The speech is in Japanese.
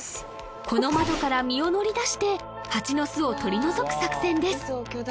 この窓から身を乗り出してハチの巣を取り除く作戦です